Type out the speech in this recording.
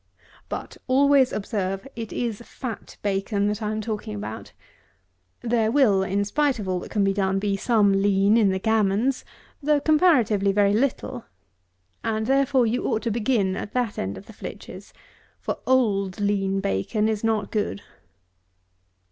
But always observe, it is fat bacon that I am talking about. There will, in spite of all that can be done, be some lean in the gammons, though comparatively very little; and therefore you ought to begin at that end of the flitches; for, old lean bacon is not good.